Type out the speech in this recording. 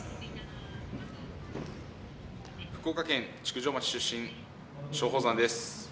福岡県築上町出身松鳳山です。